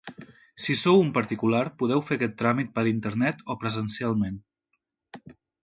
Si sou un particular, podeu fer aquest tràmit per internet o presencialment.